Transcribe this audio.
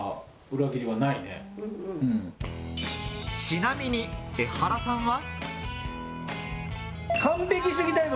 ちなみにエハラさんは。